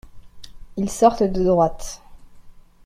Ils sortent de droite.